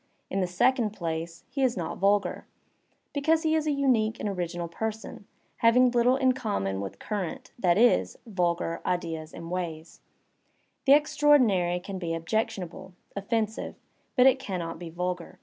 In the second place, he is not vulgar, because he is a unique and original person, having little in common With current, that is, vulgar, ideas and ways; I the extraordinary can be objectionable, offensive, but it can inot be vulgar.